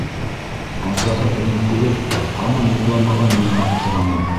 Атаһы уны күреп, һаман йоҡламағанына аптыраны: